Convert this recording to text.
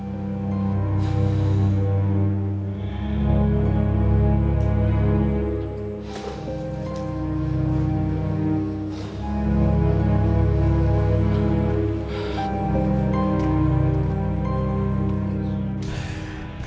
kalau dia sangat menyayangi tuhan